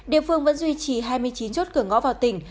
địa phương vẫn duy trì hai mươi chín chốt cửa ngõ vào tỉnh